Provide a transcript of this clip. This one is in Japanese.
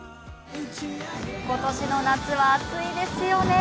今年の夏は暑いですよね。